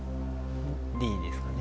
Ｄですかね。